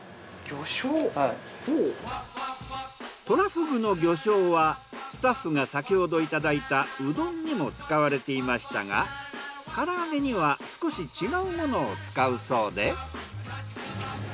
トラフグの魚醤はスタッフが先ほどいただいたうどんにも使われていましたが唐揚げには少し違うものを使うそうで。